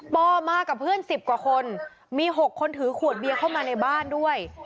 มากับเพื่อน๑๐กว่าคนมี๖คนถือขวดเบียเข้ามาในบ้านด้วย